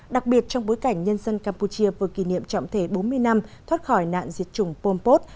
đặc biệt trong bối cảnh nhân dân campuchia vừa kỷ niệm trọng thể bốn mươi năm thoát khỏi nạn diệt chủng pol pot